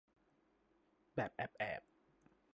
แบบแอบแอบ